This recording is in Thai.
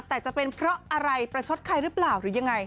แต่จะเป็นเพราะอะไรประชดใครหรือเปล่าหรือยังไง